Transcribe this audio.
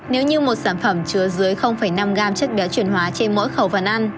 nếu như một sản phẩm chứa dưới năm gram chất béo chuyển hóa trên mỗi khẩu phần ăn